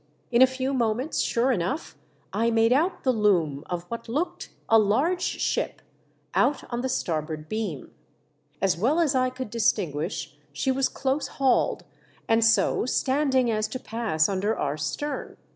In a few moments, sure enouci'h. I made out the loom WE DRAW CLOSE TO A STRANGE SHIP. 65 of what looked a large ship, out on the star board beam. As well as I could distinguish, she was close hauled, and so standing as to pass under our stern.